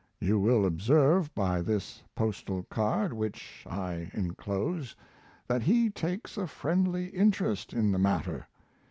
You will observe by this postal card which I inclose that he takes a friendly interest in the matter.